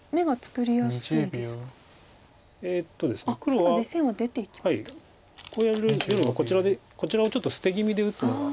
黒はこうやるよりもこちらでこちらをちょっと捨て気味で打つのが。